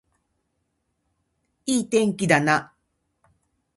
いい天気だな